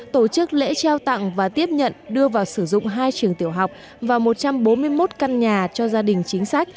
tổ chức lễ trao tặng và tiếp nhận đưa vào sử dụng hai trường tiểu học và một trăm bốn mươi một căn nhà cho gia đình chính sách